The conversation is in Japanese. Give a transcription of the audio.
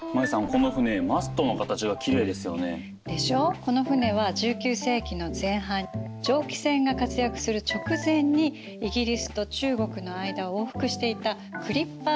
この船は１９世紀の前半蒸気船が活躍する直前にイギリスと中国の間を往復していたクリッパー船という船なの。